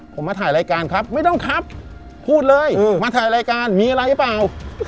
ผมมาถ่ายรายการครับไม่ต้องครับพูดเลยมาถ่ายรายการมีอะไรหรือเปล่า